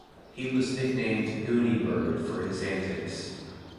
He was nicknamed "Gooneybird" for his antics.